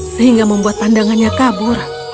sehingga membuat pandangannya kabur